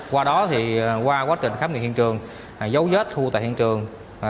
qua đó thì qua quá trình khám nghiệm hiện trường dấu vết thu tại hiện trường